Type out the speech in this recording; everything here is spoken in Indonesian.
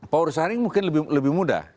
power sharing mungkin lebih mudah